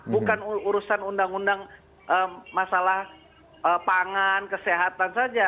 bukan urusan undang undang masalah pangan kesehatan saja